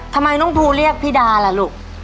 ทำไมน้องภูเรียกพี่ดาล่ะลูก